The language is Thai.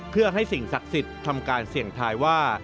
เพื่อให้สิ่งศักดิ์สิทธิ์ทำการเสี่ยงทายว่า